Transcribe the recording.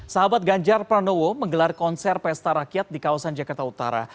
sahabat ganjar pranowo menggelar konser pesta rakyat di kawasan jakarta utara